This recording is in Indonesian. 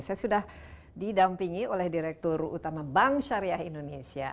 saya sudah didampingi oleh direktur utama bank syariah indonesia